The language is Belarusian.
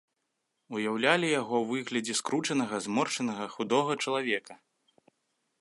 Уяўлялі яго ў выглядзе скручанага, зморшчанага худога чалавека.